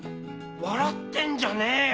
笑ってんじゃねえよ！